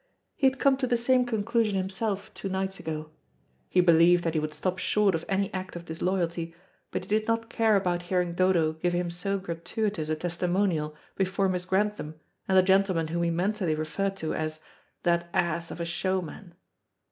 He had come to the same conclusion himself two nights ago. He believed that he would stop short of any act of disloyalty, but he did not care about hearing Dodo give him so gratuitous a testimonial before Miss Grantham and the gentleman whom he mentally referred to as "that ass of a showman."